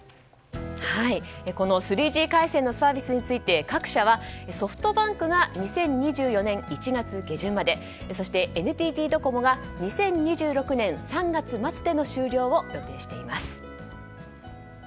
この３Ｇ回線のサービスについて各社はソフトバンクが２０２４年１月下旬までそして、ＮＴＴドコモが２０２６年３月末での終了を予定しています。